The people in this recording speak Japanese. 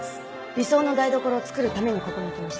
「理想の台所を作るためにここに来ました」